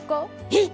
えっ！